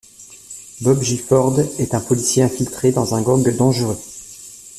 Bob Gifford est un policier infiltré dans un gang dangereux.